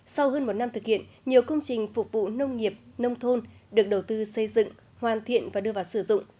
sau hơn một năm thực hiện nhiều công trình phục vụ nông nghiệp nông thôn được đầu tư xây dựng hoàn thiện và đưa vào sử dụng